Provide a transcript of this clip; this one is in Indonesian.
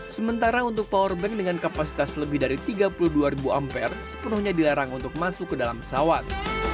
sementara untuk powerbank dengan kapasitas lebih dari tiga puluh dua ribu ampere sepenuhnya dilarang untuk masuk ke dalam pesawat